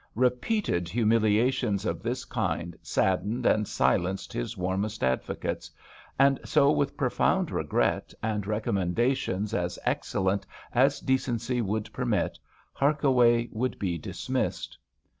Repeated humiliations of this kind saddened and 19 HAMPSHIRE VIGNETTES silenced his warmest advocates, and so with profound regret and recommendations as excellent as decency would permit, Hark away would be dismissed.